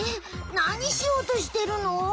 なにしようとしてるの？